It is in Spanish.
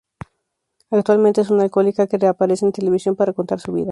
Actualmente es una alcohólica que reaparece en televisión para contar su vida.